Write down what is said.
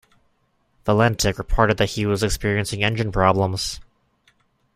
Valentich reported that he was experiencing engine problems.